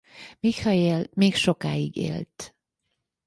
Mikhaél még sokáig élt.